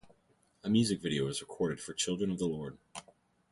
A music video was recorded for Children of the Lord.